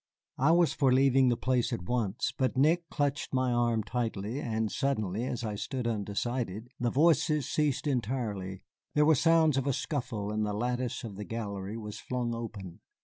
I was for leaving the place at once, but Nick clutched my arm tightly; and suddenly, as I stood undecided, the voices ceased entirely, there were the sounds of a scuffle, and the lattice of the gallery was flung open.